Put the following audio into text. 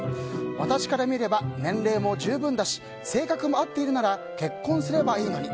私から見れば年齢も十分だし性格も合っているなら結婚すればいいのに。